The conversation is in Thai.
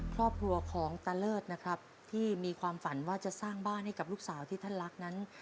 ครอบครัวของตาเลิศนะครับที่มีความฝันว่าจะสร้างบ้านให้กับลูกสาวที่ท่านรักนั้น